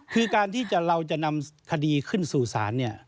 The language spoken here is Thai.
คือการที่เราจะนำคดีขึ้นสู่ศาลเนี่ย